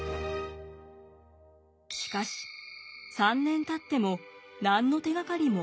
しかし３年たっても何の手がかりも得られませんでした。